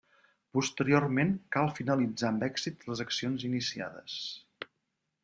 Posteriorment, cal finalitzar amb èxit les accions iniciades.